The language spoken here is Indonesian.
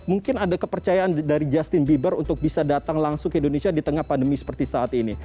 mungkin ada kepercayaan dari justin bieber untuk bisa datang langsung ke indonesia di tengah pandemi seperti saat ini